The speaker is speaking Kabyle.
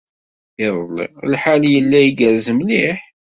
Iḍelli, lḥal yella igerrez mliḥ.